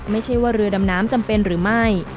ไม่ใช่ว่าเรือดำน้ำจำเป็นหรือไม่